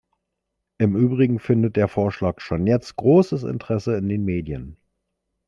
Im Übrigen findet der Vorschlag schon jetzt großes Interesse in den Medien.